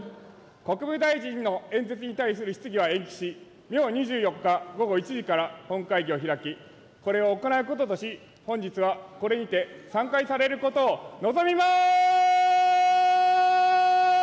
国務大臣の演説に対する質疑は延期し、明２４日午後１時から本会議を開き、これを行うこととし、本日はこれにて散会されることを望みます。